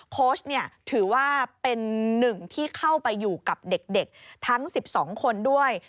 โค้ชถือว่าเป็นหนึ่งที่เข้าไปอยู่กับเด็กทั้ง๑๒คนด้วย